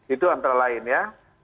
itu antara lain ya